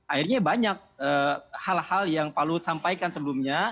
akhirnya banyak hal hal yang pak luhut sampaikan sebelumnya